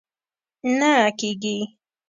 نه کېږي!